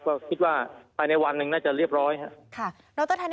ก็คิดว่าภายในวันหนึ่งน่าจะเรียบร้อยครับ